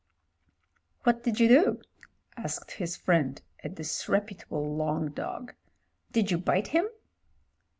"What did you do?" asked his Friend, a disrepu table "long dog." "Did you bite him?"